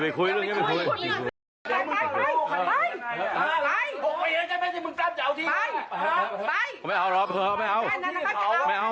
ไม่เอาหรอเค้าไม่เอา